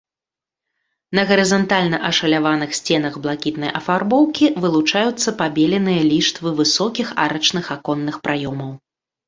На гарызантальна ашаляваных сценах блакітнай афарбоўкі вылучаюцца пабеленыя ліштвы высокіх арачных аконных праёмаў.